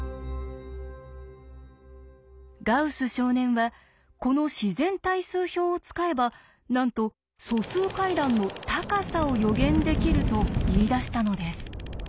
ガウス少年はこの自然対数表を使えばなんと素数階段の「高さ」を予言できると言いだしたのです。